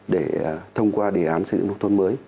để thông qua đề án xây dựng nông thôn mới